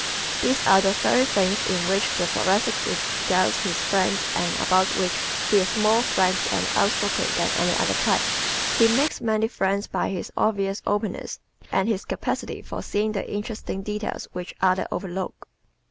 These are the very things with which the Thoracic regales his friends and about which he is more frank and outspoken than any other type. He makes many friends by his obvious openness and his capacity for seeing the interesting details which others overlook.